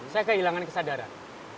saya kehilangan kesadaran